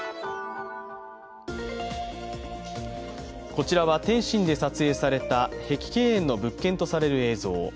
こちらは、天津で撮影された碧桂園の物件とされる映像。